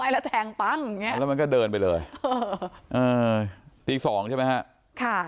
แล้วมันก็เดินไปเลยตี๒ใช่ไหมฮะ